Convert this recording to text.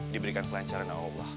diberikan kelancaran allah